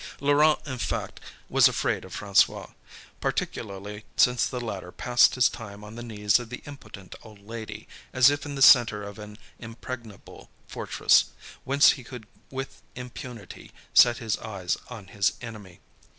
Laurent, in fact, was afraid of François, particularly since the latter passed his time on the knees of the impotent old lady, as if in the centre of an impregnable fortress, whence he could with impunity set his eyes on his enemy.